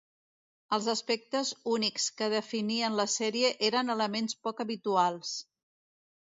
Els aspectes únics que definien la sèrie eren elements poc habituals.